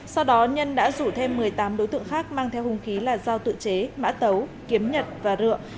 sau đó nhân đã rủ thêm một mươi tám đối tượng khác mang theo hùng khí là giao tự chế mã tấu kiếm nhật và rượu